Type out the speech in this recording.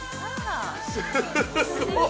すごい！